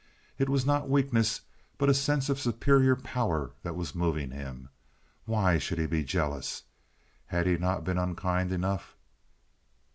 It was not weakness, but a sense of superior power that was moving him. Why should he be jealous? Had he not been unkind enough?